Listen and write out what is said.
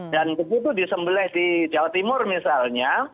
dan begitu disembleh di jawa timur misalnya